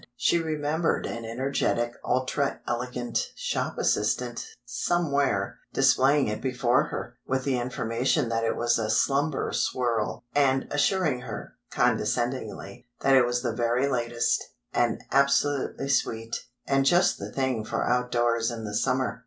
She remembered an energetic ultra elegant shop assistant, somewhere, displaying it before her, with the information that it was a "slumber swirl," and assuring her, condescendingly, that it was the very latest, and absolutely sweet, and just the thing for outdoors in the summer.